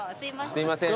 すいません。